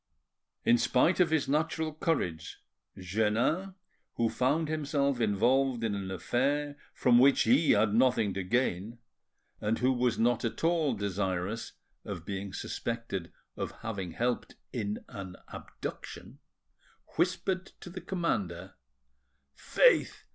In spite of his natural courage, Jeannin, who found himself involved in an affair from which he had nothing to gain, and who was not at all desirous of being suspected of having helped in an abduction, whispered to the commander— "Faith!